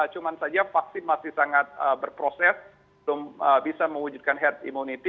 cuma saja vaksin masih sangat berproses belum bisa mewujudkan herd immunity